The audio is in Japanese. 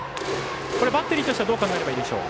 バッテリーとしてはどう考えればいいでしょう。